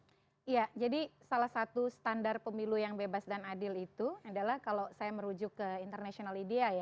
iya jadi salah satu standar pemilu yang bebas dan adil itu adalah kalau saya merujuk ke international idea ya